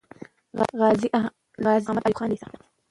غازي محمد ايوب خان لیسه